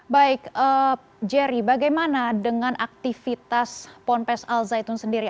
baik jerry bagaimana dengan aktivitas ponpes al zaitun sendiri